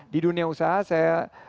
di dunia usaha saya